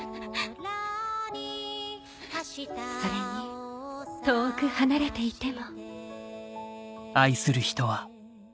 それに遠く離れていても。